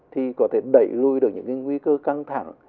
thì có thể đẩy lùi được những nguy cơ căng thẳng